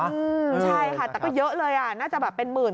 อืมใช่ค่ะแต่ก็เยอะเลยอ่ะน่าจะแบบเป็นหมื่น